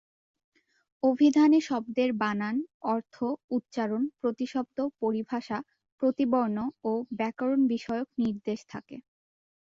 অভিধানে শব্দের বানান, অর্থ, উচ্চারণ, প্রতিশব্দ, পরিভাষা, প্রতিবর্ণ ও ব্যাকরণবিষয়ক নির্দেশ থাকে।